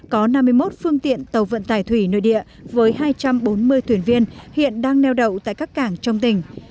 có năm mươi một phương tiện tàu vận tải thủy nội địa với hai trăm bốn mươi thuyền viên hiện đang neo đậu tại các cảng trong tỉnh